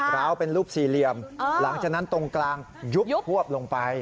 ร้าวเป็นรูปสี่เหลี่ยมหลังจากนั้นตรงกลางยุบพวบลงไป